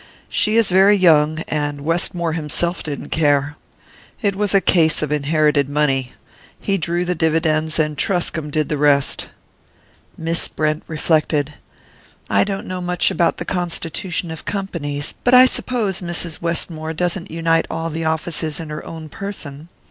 She is very young, and Westmore himself didn't care. It was a case of inherited money. He drew the dividends, and Truscomb did the rest." Miss Brent reflected. "I don't know much about the constitution of companies but I suppose Mrs. Westmore doesn't unite all the offices in her own person.